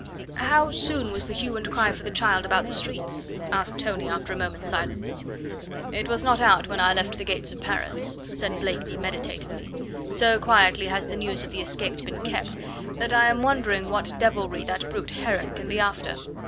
"How soon was the hue and cry for the child about the streets?" asked Tony, after a moment's silence. "It was not out when I left the gates of Paris," said Blakeney meditatively; "so quietly has the news of the escape been kept, that I am wondering what devilry that brute Heron can be after.